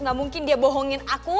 gak mungkin dia bohongin aku